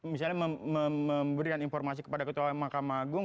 misalnya memberikan informasi kepada ketua mahkamah agung